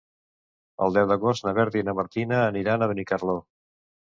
El deu d'agost na Berta i na Martina aniran a Benicarló.